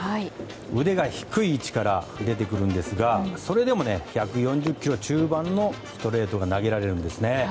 腕が低い位置から出てくるんですがそれでも１４０キロ中盤のストレートが投げられるんです。